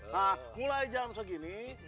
nah mulai jam segini